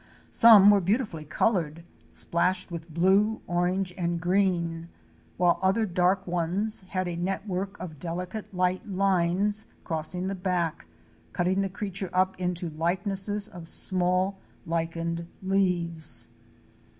Some were beautifully colored, splashed with blue, orange and green; while other dark ones had a network of delicate light lines crossing the back, cutting the creatures up into like nesses of small lichened leaves.